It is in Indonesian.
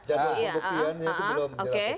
ya pembuktiannya itu belum dilakukan